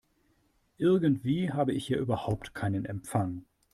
Irgendwie habe ich hier überhaupt keinen Empfang.